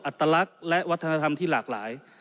อัตลักษณ์และวัฒนธรรมที่หลากหลาย